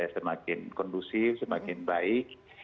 semakin kondusif semakin baik